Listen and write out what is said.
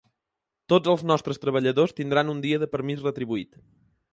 Tots els nostres treballadors tindran un dia de permís retribuït.